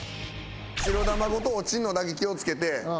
白球ごと落ちるのだけ気を付けて。